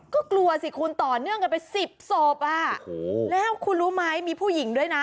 ก็กลัวสิคุณต่อเนื่องกันไปสิบศพอ่ะโอ้โหแล้วคุณรู้ไหมมีผู้หญิงด้วยนะ